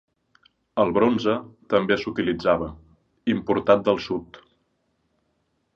El bronze també s'utilitzava, importat del sud.